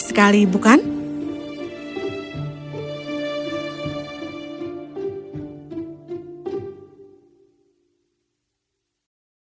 sekali bukan hai hai